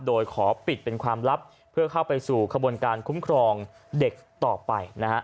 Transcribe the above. โดยขอปิดเป็นความลับเพื่อเข้าไปสู่ขบวนการคุ้มครองเด็กต่อไปนะฮะ